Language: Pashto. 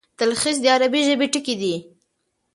تلخیص د عربي ژبي ټکی دﺉ.